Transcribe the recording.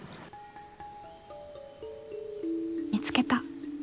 見つけた。